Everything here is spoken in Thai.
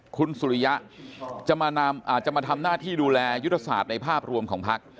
คุณสุริยะจะมาทำหน้าที่ดูแลยุทธศาสตร์ในภาพรวมของพัก